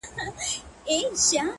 • لاندي مځکه هره لوېشت ورته سقر دی,